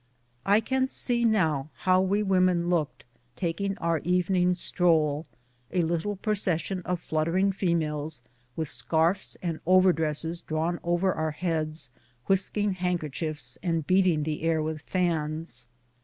I can see now how we women looked, taking our evening stroll : a little procession of fluttering females, with scarfs and over dresses drawn over our heads, whisking handkerchiefs and beating the air with fans.